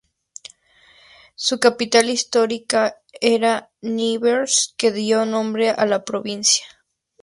Su capital histórica era Nevers, que dio nombre a la provincia.